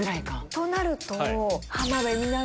となると。